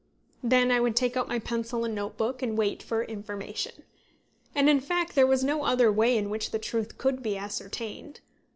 Then I would take out my pencil and notebook, and wait for information. And in fact there was no other way in which the truth could be ascertained.